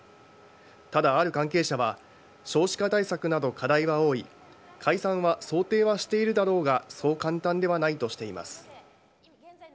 ただ、ある関係者は少子化対策など課題は多い解散は想定はしているだろうがそう簡単ではないとしています。